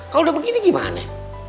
kalau udah begini gimana